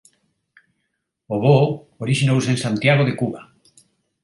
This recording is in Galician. O voo orixinouse en Santiago de Cuba.